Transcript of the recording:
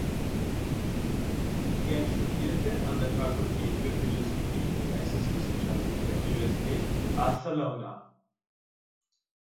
Er studierte an der Fakultät für Philosophie und Geisteswissenschaften der Universität Barcelona.